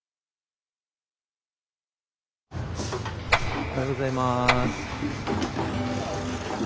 おはようございます。